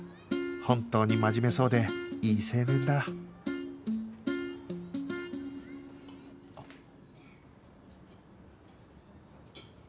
本当に真面目そうでいい青年だあっ。